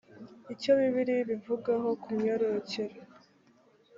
icyo bibiliya ibivugaho kumyororokere